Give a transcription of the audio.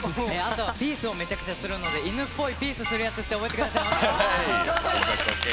ピースをめちゃくちゃするので犬っぽいピースするやつって覚えてください。